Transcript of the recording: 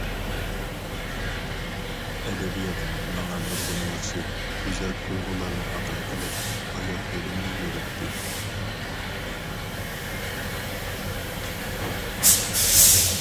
ئەدەبىيات ماڭا نۇرغۇن ياخشى، گۈزەل تۇيغۇلارنى ئاتا قىلىپ ھايات يولۇمنى يورۇتتى.